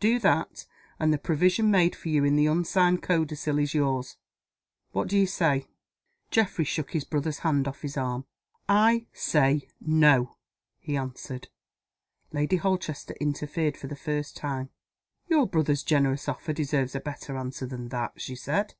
Do that and the provision made for you in the unsigned codicil is yours. What do you say?" Geoffrey shook his brother's hand off his arm. "I say No!" he answered. Lady Holchester interfered for the first time. "Your brother's generous offer deserves a better answer than that," she said.